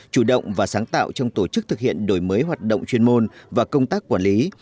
chủ động và sáng tạo trong tổ chức thực hiện đổi mới hoạt động chuyên môn và công tác quản lý